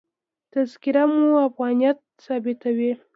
تذکره مو افغانیت ثابتوي.